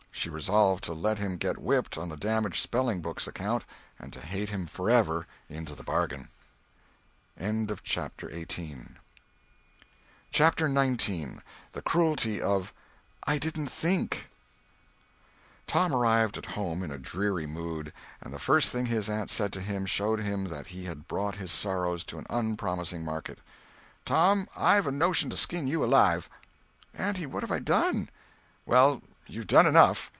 She resolved to let him get whipped on the damaged spelling book's account, and to hate him forever, into the bargain. CHAPTER XIX TOM arrived at home in a dreary mood, and the first thing his aunt said to him showed him that he had brought his sorrows to an unpromising market: "Tom, I've a notion to skin you alive!" "Auntie, what have I done?" "Well, you've done enough.